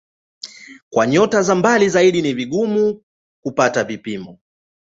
Kwa nyota za mbali zaidi ni vigumu zaidi kupata vipimo kamili.